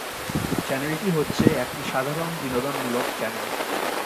চ্যানেলটি হচ্ছে একটি সাধারণ বিনোদনমূলক চ্যানেল।